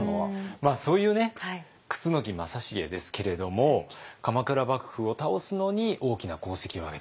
そういうね楠木正成ですけれども鎌倉幕府を倒すのに大きな功績を挙げた。